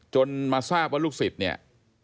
จนมาทราบว่าลูกศิษย์เนี่ย